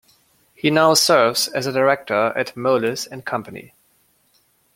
He now serves as a director at Moelis and Company.